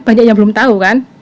banyak yang belum tahu kan